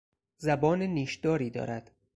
زبان نیشداری دارد.